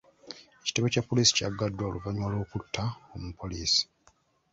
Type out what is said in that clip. Ekitebe kya poliisi kyaggaddwa oluvannyuma lw'okutta omupoliisi.